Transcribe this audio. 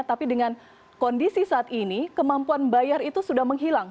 tapi dengan kondisi saat ini kemampuan bayar itu sudah menghilang